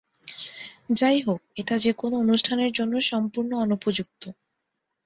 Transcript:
যাই হোক, এটা যেকোন অনুষ্ঠানের জন্য সম্পূর্ণ অনুপযুক্ত।